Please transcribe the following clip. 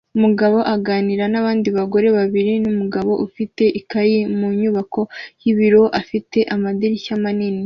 Umugore aganira nabandi bagore babiri numugabo ufite ikaye mu nyubako y'ibiro ifite amadirishya manini